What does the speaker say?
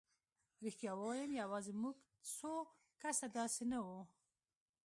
رښتیا ووایم یوازې موږ څو کسه داسې نه وو.